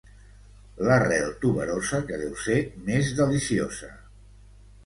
L'arrel tuberosa que deu ser més deliciosa.